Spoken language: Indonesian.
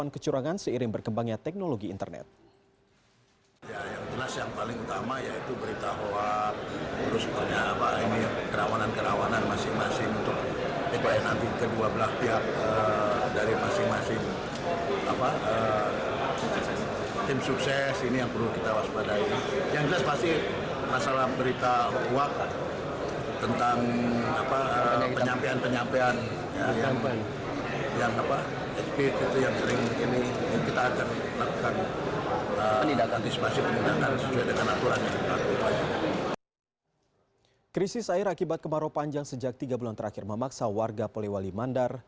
krisis air akibat kemarau panjang sejak tiga bulan terakhir memaksa warga poliwali mandar